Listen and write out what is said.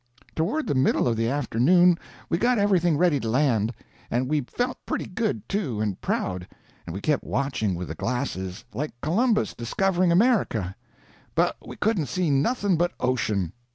Toward the middle of the afternoon we got everything ready to land, and we felt pretty good, too, and proud; and we kept watching with the glasses, like Columbus discovering America. But we couldn't see nothing but ocean.